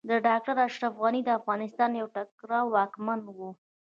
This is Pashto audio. ډاکټر اشرف غني د افغانستان يو تکړه واکمن و